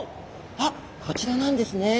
あっこちらなんですね。